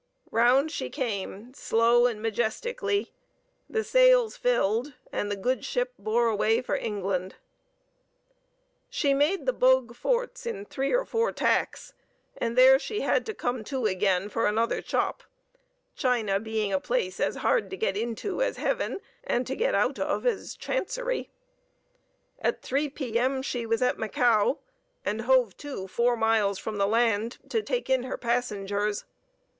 Round she came slow and majestically; the sails filled, and the good ship bore away for England. She made the Bogue forts in three or four tacks, and there she had to come to again for another chop, China being a place as hard to get into as Heaven, and to get out of as—Chancery. At three P.M. she was at Macao, and hove to four miles from the land, to take in her passengers.